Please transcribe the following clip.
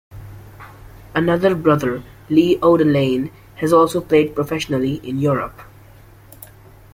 Another brother, Lee Odelein, has also played professionally in Europe.